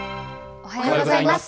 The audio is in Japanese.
おはようございます。